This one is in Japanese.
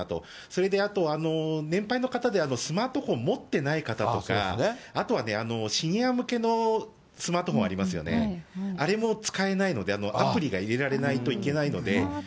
それであと、年配の方で、スマートフォン持ってない方とか、あとはね、シニア向けのスマートフォンありますよね、あれも使えないので、アプリが入れられないといけないので。